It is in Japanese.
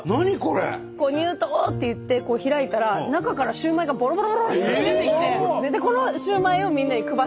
「入刀」って言って開いたら中からシューマイがボロボロボロって出てきてこのシューマイをみんなに配ってくれて。